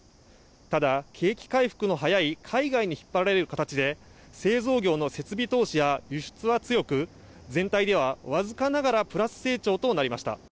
ただ、景気回復の早い海外に引っ張られる形で製造業の設備投資や輸出は強く全体ではわずかながらプラス成長となりました。